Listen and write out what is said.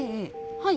はい。